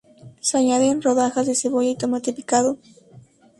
Se añaden rodajas de cebolla y tomate picado.